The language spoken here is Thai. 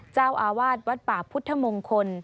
เจ้าอาวาสวัดป่าพุทธมงคล